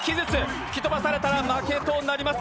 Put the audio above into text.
吹き飛ばされたら負けとなります。